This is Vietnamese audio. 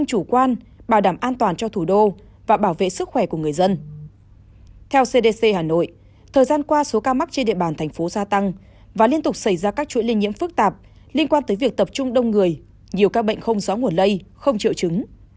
theo cdc hà nội thời gian qua số ca mắc trên địa bàn thành phố gia tăng và liên tục xảy ra các chuỗi liên nhiễm phức tạp liên quan tới việc tập trung đông người nhiều ca bệnh không gió nguồn lây không triệu chứng